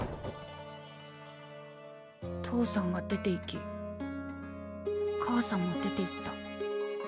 父さんが出ていき母さんも出ていった。